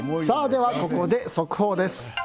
では、ここで速報です。